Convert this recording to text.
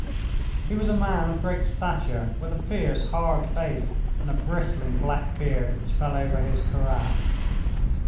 He was a man of great stature, with a fierce, hard face and a bristling black beard, which fell over his cuirass.